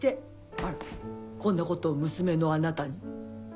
あらこんなことを娘のあなたに。